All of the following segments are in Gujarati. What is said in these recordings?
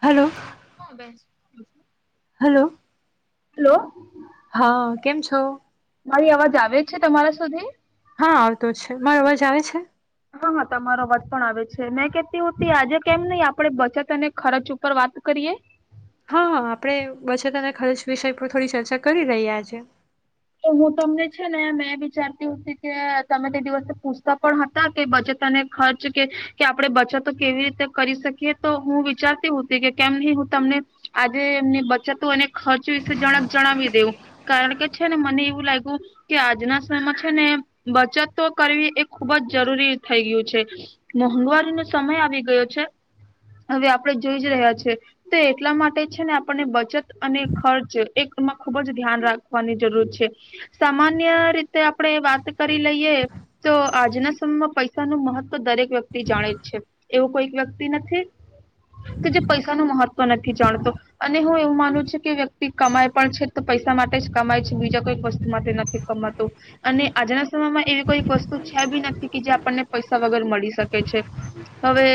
હલો. હા બેસ. હલો. હેલો. હા કેમ છો. મારી અવાજ આવે જ છે તમારા સુધી. હા આવતો જ છે મારો અવાજ આવે છે. હા હા તમારો વાત પણ આવે છે મેં કેતી હોતી આજે કેમ નહી આપડે બચત અને ખર્ચ ઉપર વાત કરીએ. હા હ આપણે બચત અને ખર્ચ વિષય પર થોડી ચર્ચા કરી રહી આજે. તો હું તમને છે ને મેં વિચારતીતી કે તમે તે દિવસે પૂછતા પણ હતા કે બચત અને ખર્ચ કે કે આપે બચતો કેવી રીતે કરી શકીએ તો હું વિચારતી હોતી કે કેમ નહી હું તમને આજે એમની બચતો અને ખર્ચ વિશે જણાવી દેઉં કારણ કે છે ને મને એવું લાગ્યું કે આજના સમયમાં છે ને બચત તો કરવી એ ખુબ જ જરૂરી થઈ ગયું છે મોંઘવારીનોો સમય આવી ગયો છે હવે આપણે જોઈ જ રહ્યા છેએ તો એટલા માટે છે ને આપણને બચત અને ખર્ચ એમાં ખુબ જ ધ્યાન રાખ જરૂર છે સામાન્ય રીતે આપડણે વાત કરી લઈએ તો આજના સમયમાં પૈસા નું મહત્વ દરેક વ્યક્તિ જાણે જ છે એવો કોઈક વ્યક્તિ નથી તો જે પૈસા નું મહત્વ નથી જાણતો અને હું એવું માનું છું કે વ્યક્તિ કમાય પણ છે તો પૈસા માટે છે બીજા કોઈક વસ્તુ માટે નથી કમાતું અને આજના સમયમાં એવી કોઈક વસ્તુ છે બી નથી કે જે આપણને પૈસા વગર મળી શકે છે હવે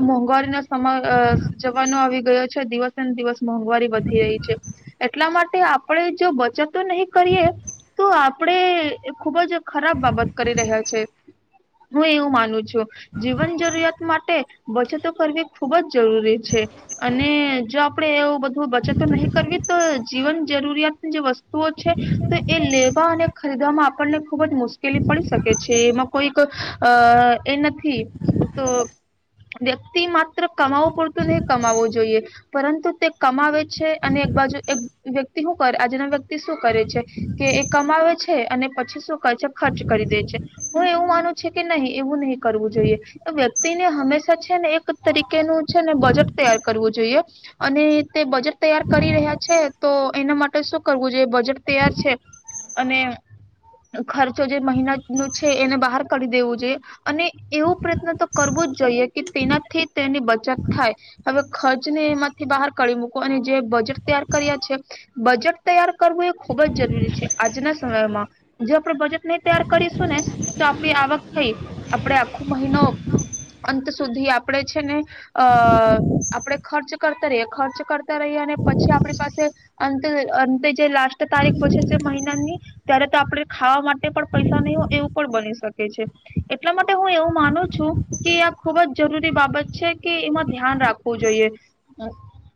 મોંઘવારીનો સમય જવાનો આવી ગયો છે દિવસે ને દિવસ મોંઘવારી વધી રહી છે એટલા માટે આપણે બચત તો નહી કરીએ તો આપ આપડે ખુબ જ ખરાબ બાબત કરી રહ્યા છે. હું એવું માનું છું જીવન જરૂરિયાત માટે બચતો કરવી ખૂબ જ જરૂરી છે અને જો આપણેે એવું બધું બચતો નહી કરવી તો જીવન જરૂરિયાત જે વસ્તુઓ છે તો એ લેવા અને ખરીદવામાં આપણને ખુબ જ મુશ્કેલી પડી શકે છે. છે એમાં કોઈક અ એ નથી તો વ્યક્તિ માત્ર કમાવવું પડતું નહ કમાવવું જોઈએ પરંતુ તે કમાવે છે અને એક બાજુ એક વ્યક્તિ હું આજના વ્યક્તિ શું કરે છે કે એ કમાવે છે અને પછી શું કરે છે ખર્ચ કરી દે છે હું એવું માનું છ કે નહી એવું નહી કરવું જોઈએ વ્યક્તિને હંમેશા છે ને એક તરીકેનુંું છે ને બજેટ તૈયાર કરવું જોઈએ અને તે બજેટ તૈયાર કરી રહ્યા છે તો એના માટે શું કરવું જોઈએ બજેટ તૈયાર છે અને ખર્ચો જે મહિના ન છે એને બહાર કાઢી દેવું જોઈએ અને એવું પ્રયત્ન તો કરવો જ જોઈએ કે તેનાથી તેની બચત થાય હવે ખર્ચ ને એમાંથી બહાર કાઢી મુકવું. અને જે બજેટ તૈયાર કર્યા છે. બજેટ તૈયાર કરવું એ ખુબ જ જરૂરી છે આજના સમયમાં જે આપણે બજેટ ને તૈયાર કરીશું ને તો આપડી આવક થઈ આપડે આખો મહિનો અંત સુધી આપણે છે ને અ-આપણેે ખર્ચ કરતા રહીએ ખર્ચ કરતા રહીએ અને પછી આપણી પાસે અંતે-અંતે જે લાસ્ટ તારીખ બસે છે મહિનાની ત્યારે તો આપણે ખાવા માટે પણ પૈસા નહી હોય એવું પણ બની શકે છે એટલા માટે હું એવું માનું છું કે આ ખુબ જ જરૂરી બાબત છે કે એમાં ધ્યાન રાખવું જોઈએ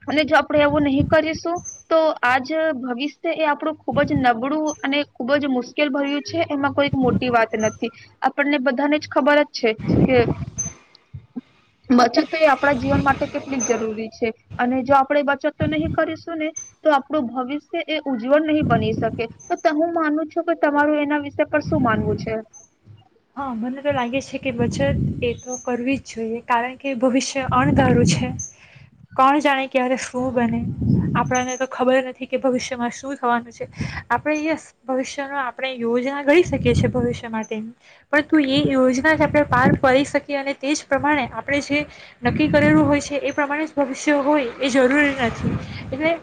અને જો આપણે એવું નહીં કરીશું તો આજ ભવિષ્ય એ આપણું ખૂબ જ નબળું અને ખૂબ જ મુશ્કેલ ભર્યું છે એમાં કોઈક મોટી વાત નથી આપણને બધાને જ ખબર જ છે કે બચતો એ આપણા જીવન માટે કેટલીક જરૂરી છે અને જો આપણે બચત નહી કરીશું ને તો આપણું ભવિષ્ય એ ઉજ્જવળ નહીં બની શકે હું માનું છું કે તમારું એના વિષય પર શું માનવું છે? હા, મને તો લાગે છે કે બચત એ તો કરવી જ જોઈએ કારણ કે ભવિષ્ય અણધારું છે. કોણ જાણે ક્યારે શું બને? આપણને તો ખબર નથી કે ભવિષ્યમાં શું થવાનું છે? આપણે ભવિષ્ય ન આપણે યોજના ગણી શકીએ છેએ ભવિષ્ય માટેની પરંતુ એ યોજના જ આપણે પાર પાડી શકીએ અને તે જ પ્રમાણે આપણે જે નક્કી કરેલું હોય છે એ પ્રમાણે જ ભવિષ્ય હોય એ જરૂરી નથી એટલે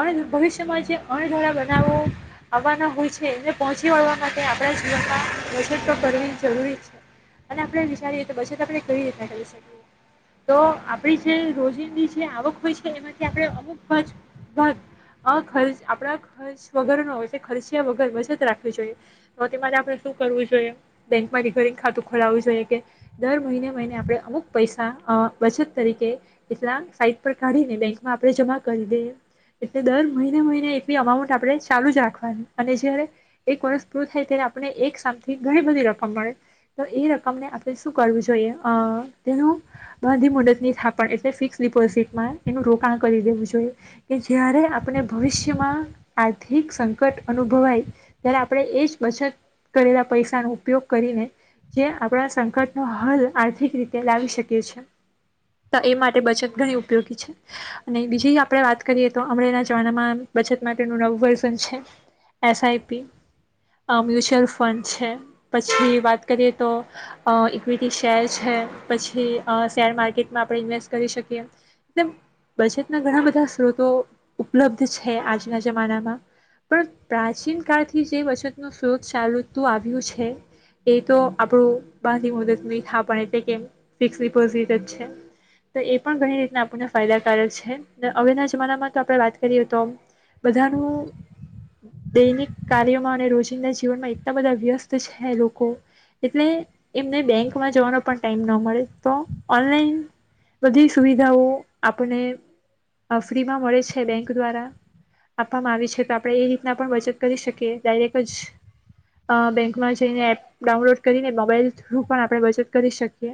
અ ભવિષ્યમાં જે અણધારા બનાવો આવવાના હોય છે એને પહોંચી વળવા માટે આપણા જીવનમાં વજ કરવી અને આપણે વિચારીએ તો બચત આપણે કવી રીતના કરી શકીએ તો આપણી જે રોજિંદની જે આવક હોય છે એમાંથી આપણે અમુક ભ-ખર્ચ આપણા ખર્ચ વગરનો ખર્ચયા વગર બચત રાખવી જોઈએ તો તેમાં આપણે શું કરવું જોઈએ? બેંકમાં રિકરિંગ ખાતું ખોલાવું જોઈએ કે દર મહિને મહિને આપણે અમુક પૈસા બચત તરીકે એટલા સાઈટ પર કાઢીને બેંકમાં આપણે જમા કરી દઈએ એટલે દર મહિને મહિને એટલી અમાઉન્ટ આપણે ચાલુ જ રાખવાની અને છે ને એક વર્ષ પૂરું થાય ત્યારે આપણે એક સામથી ઘણી બધી રકમ તો એ રકમને આપણે શું કરવું જોઈએ તેનું બાંધી મુદતની થાપણ એટલે ફિક્સ ડિપોઝિટમાં એનું રોકાણ કરી દેવું જોઈએ કે જય્યારે આપણે ભવિષ્યમાં આર્થિક સંકટ અનુભવાય ત્યારે આપણે એ જ બચત કરેલા પૈસાનો ઉપયોગ કરીને જે આપણા સંકટનો હલ આર્થિક રીતે લાવી શકીએ છ છે તો એ માટે બચત ઘણી ઉપયોગી છે અને બીજી આપણે વાત કરીએ તો અમણાના જમાનામાં બચત માટેનું નવું વર્ઝન છે. એસઆઈપી મ્યુચ્યુઅલ ફંડ છે. પછી વાત કરીએ તો ઇક્વિટી શેર છે, પછી શેર માર્કેટમાં આપણે ઇન્વેસ્ટ કરી શકીએ બચતના ઘણા બધા સ્ત્રોતો ઉપલબ્ધ છે આજના જમાનામાં પણ પ્રાચીન કાળથી જે બચતનું સ્ત્રોત ચાલતું આવ્યું છે એ તો આપણું બાંધી મુદદ નહી થ પણ એટલે કે ફિકસ ડિપોઝટ જ છે તો એ પણ ઘણી રીતના આપણને ફાયદાકારક છે અગના જમાનામાં તો આપણે વાત કરીએ તો બધાનું દૈનિક કાર્યોમાં અને રોજિંદા જીવનમાં એટલા બધા વ્યસ્ત છે એટલે એમને બેંકમાં જવાનો પણ ટાઈમ ન મળે તો ઓનલાઈન બધી સુવિધાઓ આપને ફ્રીમાં મળે છે બેંક દ્વારા આપવામાં આવી છે તો આપણે એ રીતના પણ બચત કરી શકીએ ડાયરેક જ બેંકમાંજ જઈને એપ ડાઉનલોડ કરીને મોબાઈલ થ્રુ પણ આપણે બચત કરી શકીએ.